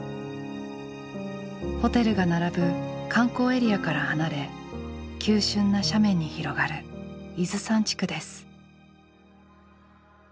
ホテルが並ぶ観光エリアから離れ急峻な斜面に広がる伊豆山地区です。